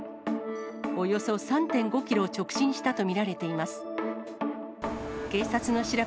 およそ３．５キロ直進したと見られています。